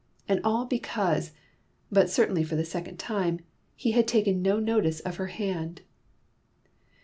And all because (but certainly for the second time) he had taken no notice of her hand!